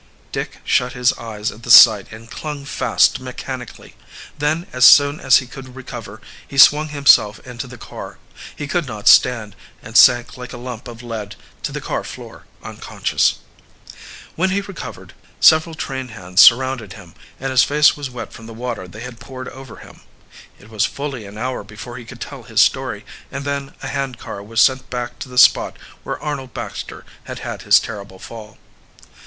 Dick shut his eyes at the sight and clung fast mechanically. Then, as soon as he could recover, he swung himself into the car. He could not stand, and sank like a lump of lead to the car floor unconscious. When he recovered, several train hands surrounded him, and his face was wet from the water they had poured over him. It was fully an hour before he could tell his story, and then a hand car was sent back to the spot where Arnold Baxter had had his terrible fall.